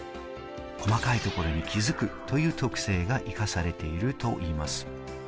細かいところに気づくという特性が生かされているといいます。